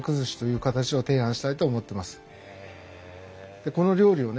でこの料理をね